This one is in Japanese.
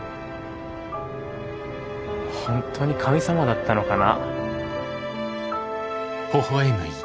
本当に神様だったのかな。